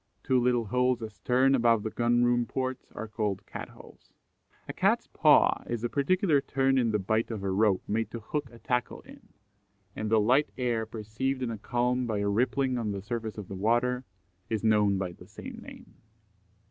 Two little holes astern, above the Gun room ports, are called Cat holes. A Cat's paw is a particular turn in the bight of a rope made to hook a tackle in; and the light air perceived in a calm by a rippling on the surface of the water, is known by the same name.